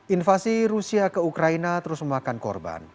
invasi rusia ke ukraina terus memakan korban